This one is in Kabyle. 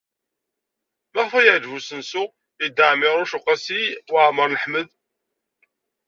Maɣef ay yeɛjeb usensu-a i Dda Ɛmiiruc u Qasi Waɛmer n Ḥmed?